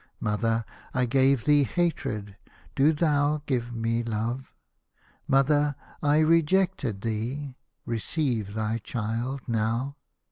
Mother, I gave thee hatred. Do thou give me love. Mother, I rejected thee. Receive thy child now."